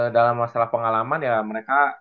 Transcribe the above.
dalam masalah pengalaman ya mereka